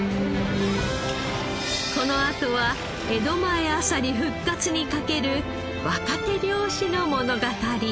このあとは江戸前あさり復活にかける若手漁師の物語。